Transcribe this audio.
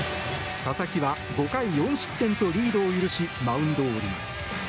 佐々木は５回４失点とリードを許しマウンドを降ります。